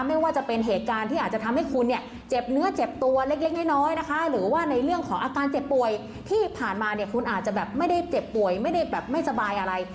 ไม่ว่าจะเป็นเหตุการณ์ที่อาจจะทำให้คุณเนี่ยเจ็บเนื้อเจ็บตัวเล็กน้อยนะคะหรือว่าในเรื่องของอาการเจ็บป่วยที่ผ่านมาเนี่ยคุณอาจจะแบบไม่ได้เจ็บป่วยไม่ได้แบบไม่สบายอะไร